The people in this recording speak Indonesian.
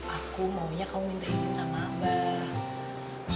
aku maunya kamu minta izin sama abang